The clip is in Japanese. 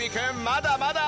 まだまだ！